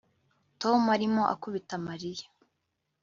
Tom arimo akubita Mariya